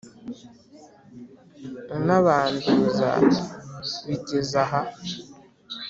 unabanduza bigeze aha?